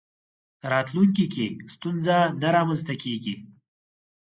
راتلونکي کې ستونزه نه رامنځته کېږي.